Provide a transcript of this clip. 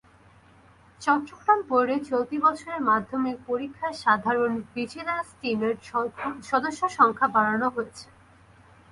চট্টগ্রাম বোর্ডে চলতি বছরের মাধ্যমিক পরীক্ষায় সাধারণ ভিজিলেন্স টিমের সদস্যসংখ্যা বাড়ানো হয়েছে।